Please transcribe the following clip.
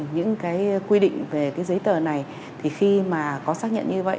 những quy định về giấy tờ này khi mà có xác nhận như vậy